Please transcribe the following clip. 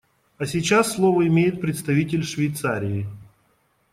А сейчас слово имеет представитель Швейцарии.